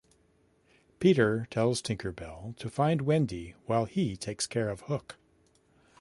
Peter tells Tinker Bell to find Wendy while he takes care of Hook.